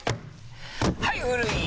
はい古い！